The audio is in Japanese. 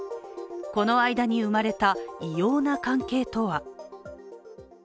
この間に生まれた異様な関係とは。